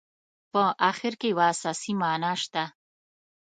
په اخر کې یوه احساسي معنا شته.